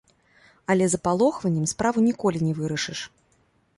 Але запалохваннем справу ніколі не вырашыш.